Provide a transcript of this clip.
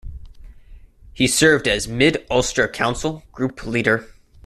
He served as Mid Ulster Council Group Leader.